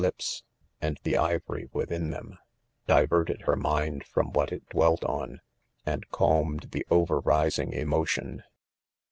lips, and the ivory within them, diverted her mind! from what it dwelt on,, and calmed the over rising emotion.